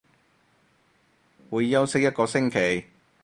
會休息一個星期